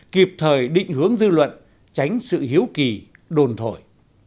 kịp thời định hướng dư luận tránh sự hiếu kỳ đồn thổi